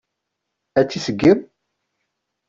Ad tt-iseggem?